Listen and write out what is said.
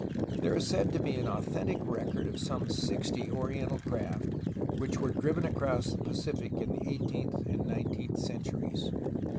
There is said to be an authentic record of some sixty oriental craft which were driven across the Pacific in the eighteenth and nineteenth centuries.